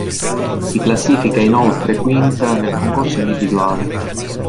Si classifica inoltre quinta nel concorso individuale.